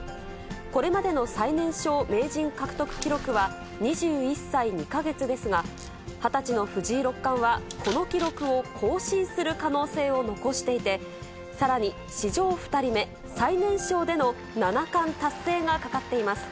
これまでの最年少名人獲得記録は２１歳２か月ですが、２０歳の藤井六冠は、この記録を更新する可能性を残していて、さらに史上２人目、最年少での七冠達成が懸かっています。